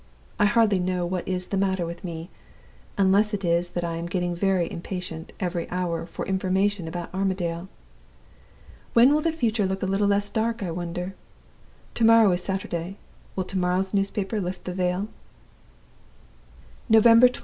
I hardly know what is the matter with me unless it is that I am getting more impatient every hour for information about Armadale. When will the future look a little less dark, I wonder? To morrow is Saturday. Will to morrow's newspaper lift the veil?" "November 22d.